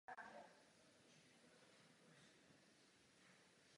Od hudebních kritiků album obdrželo především pozitivní hodnocení.